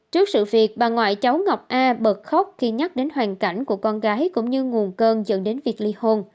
trước sự việc bà ngoại cháu ngọc a bật khóc khi nhắc đến hoàn cảnh của con gái cũng như nguồn cơn dẫn đến việc ly hôn